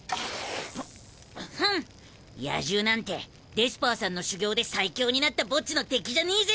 フフンッ野獣なんてデスパーさんの修行で最強になったボッジの敵じゃねえぜ！